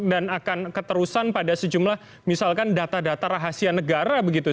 dan akan keterusan pada sejumlah misalkan data data rahasia negara begitu